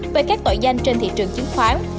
về các tội danh trên thị trường chứng khoán